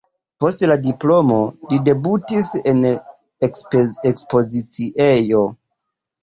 Post la diplomo li debutis en ekspoziciejo.